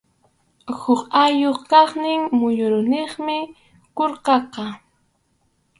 Huk ayllup kaqnin muyuriqninmi qurqaqa.